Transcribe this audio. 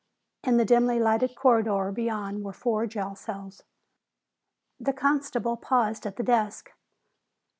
In the dimly lighted corridor beyond were four jail cells. The constable paused at the desk.